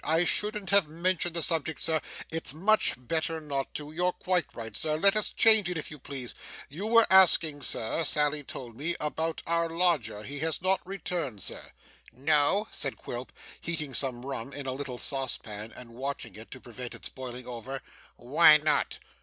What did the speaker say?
I shouldn't have mentioned the subject, sir. It's much better not to. You're quite right, sir. Let us change it, if you please. You were asking, sir, Sally told me, about our lodger. He has not returned, sir.' 'No?' said Quilp, heating some rum in a little saucepan, and watching it to prevent its boiling over. 'Why not?